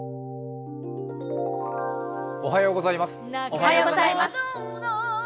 おはようございます。